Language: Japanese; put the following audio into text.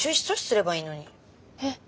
えっ？